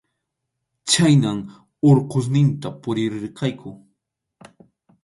Chhaynam Urqusninta puririrqayku.